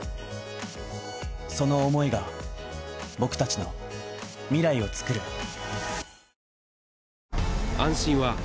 その思いが僕達の未来をつくる